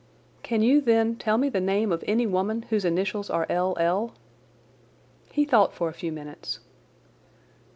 "Can you, then, tell me the name of any woman whose initials are L. L.?" He thought for a few minutes.